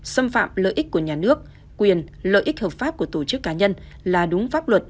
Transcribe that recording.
xâm phạm lợi ích của nhà nước quyền lợi ích hợp pháp của tổ chức cá nhân là đúng pháp luật